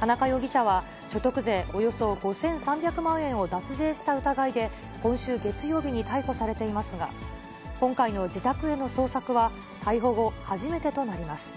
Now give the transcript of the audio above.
田中容疑者は所得税およそ５３００万円を脱税した疑いで、今週月曜日に逮捕されていますが、今回の自宅への捜索は、逮捕後、初めてとなります。